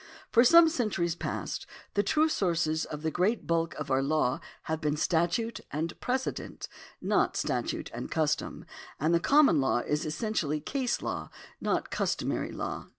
For some centuries past, the true sources of the great bulk of our law have been statute and precedent, not statute and custom, and the common law is essentially case law, not customary law.